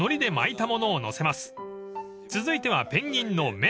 ［続いてはペンギンの目］